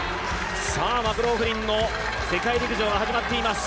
さあマクローフリンの世界陸上が始まっています。